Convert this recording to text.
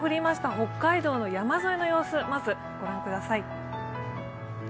北海道の山沿いの様子、まず御覧ください。